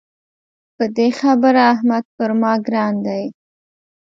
په دې خبره احمد پر ما ګران دی.